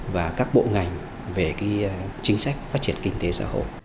và các bộ ngành về chính sách phát triển kinh tế xã hội